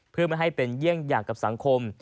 เพื่อไม่ให้เป็นเยี่ยงอย่างกับสังคม